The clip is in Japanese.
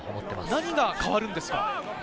何が変わるんですか？